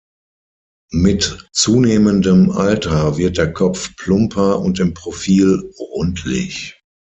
Mit zunehmendem Alter wird der Kopf plumper und im Profil rundlich.